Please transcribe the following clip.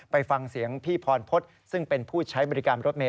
ไปฟังเสียงพี่พรพฤษซึ่งเป็นผู้ใช้บริการรถเมย